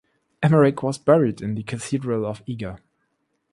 Emeric was buried in the cathedral of Eger.